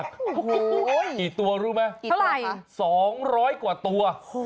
กี่ตัวรู้ไหมสองร้อยกว่าตัว